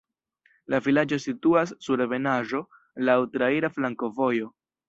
La vilaĝo situas sur ebenaĵo, laŭ traira flankovojo.